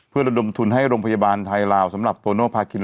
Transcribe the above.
เพื่อระดมทุนให้โรงพยาบาลไทยลาวสำหรับโตโนภาคิน